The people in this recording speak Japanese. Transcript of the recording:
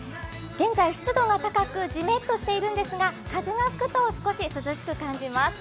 現在、湿度が高くジメッとしているんですが風が吹くと、少し涼しく感じます。